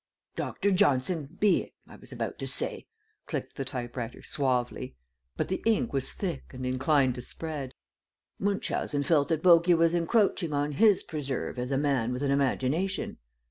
"Dr. Johnson be it, I was about to say," clicked the type writer, suavely; but the ink was thick and inclined to spread. "Munchausen felt that Bogey was encroaching on his preserve as a man with an imagination."